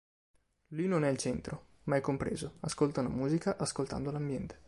Lui non è il centro, ma è compreso; ascolta una musica, ascoltando l'ambiente.